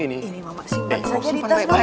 ini mama simpan saja di tas mama